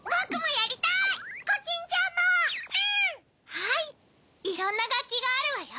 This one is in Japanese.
はいいろんながっきがあるわよ。